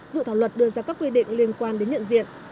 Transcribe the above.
dự thảo luật đưa ra các quy định liên quan đến nhận diện